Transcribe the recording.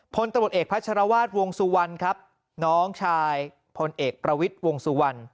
พลตำรวจเอกพัชรวาสวงสุวรรณครับน้องชายพลเอกประวิทย์วงสุวรรณ